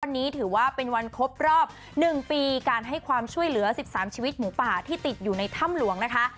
วันนี้ถือว่าเป็นวันครบรอบ๑ปีการให้ความช่วยเหลือ๑๓ชีวิตหมูป่าที่ติดอยู่ในถ้ำหลวงนะคะ